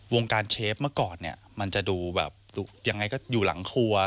วงการเชฟเมื่อก่อนมันจะดูอย่างไรก็อยู่หลังครัว